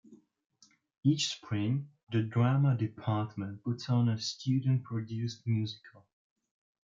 Each spring, the Drama Department puts on a student-produced musical.